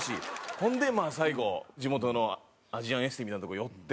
ほんで最後地元のアジアンエステみたいなとこに寄って。